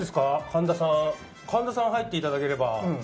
神田さん、入っていただければ。